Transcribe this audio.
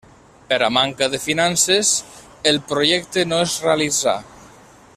Per a manca de finances, el projecte no es realitzà.